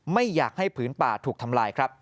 ไม่อยากให้ผืนป่าถูกทำลายครับ